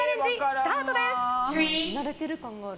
スタートです！